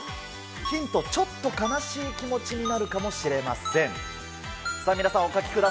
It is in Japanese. ヒント、ちょっと悲しい気持ちになるかもしれません。